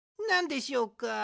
なんでしょうか。